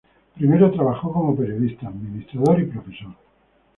Primero trabajó como periodista, administrador y profesor.